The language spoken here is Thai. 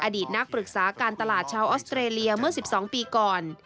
อดีตนักปรึกษาการตลาดชาวออสเตรเลียเมื่อ๑๒ปีก่อน